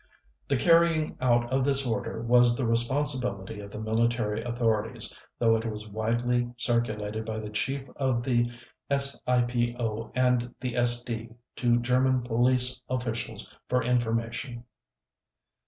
The carrying out of this order was the responsibility of the military authorities, though it was widely circulated by the Chief of the SIPO and the SD to German police officials for information.